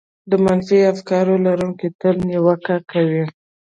د منفي افکارو لرونکي تل نيوکه کوي.